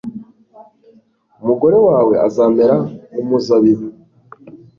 Umugore wawe azamera nk’umuzabibu